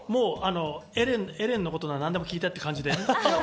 エレンのことなら何でも聞いてって感じ。